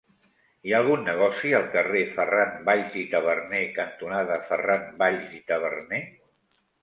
Hi ha algun negoci al carrer Ferran Valls i Taberner cantonada Ferran Valls i Taberner?